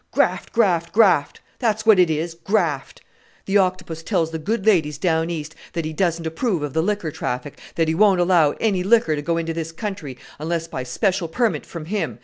Graft, graft, graft! that's what it is, graft! The Octopus tells the good ladies down East that he doesn't approve of the liquor traffic; that he won't allow any liquor to go into this country unless by special permit from him!